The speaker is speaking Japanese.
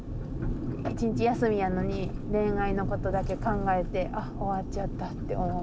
１日休みやのに恋愛のことだけ考えて「あ終わっちゃった」って思う。